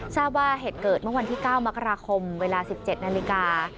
ทราบว่าเหตุเกิดเมื่อวันที่๙มกราคมเวลา๑๗นาฬิกา